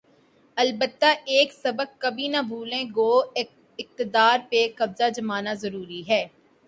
البتہ ایک سبق کبھی نہ بھولے‘ گو اقتدار پہ قبضہ جمانا ضروری ہے۔